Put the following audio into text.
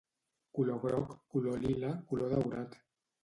Color groc, color lila, color daurat.